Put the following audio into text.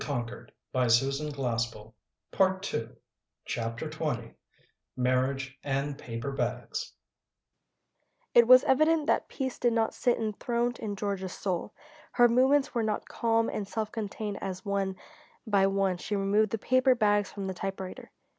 PART TWO CHAPTER XX MARRIAGE AND PAPER BAGS It was evident that peace did not sit enthroned in Georgia's soul. Her movements were not calm and self contained as one by one she removed the paper bags from her typewriter.